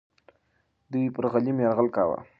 دوی پر غلیم یرغل کاوه.